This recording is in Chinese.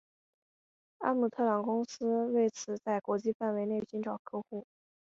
阿姆斯特朗公司为此在国际范围内寻找客户。